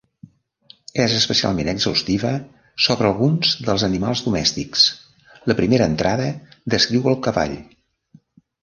És especialment exhaustiva sobre alguns dels animals domèstics: la primera entrada descriu el cavall.